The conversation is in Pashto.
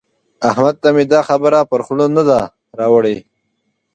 احمد ته مې دا خبره پر خوله نه ده راوړي.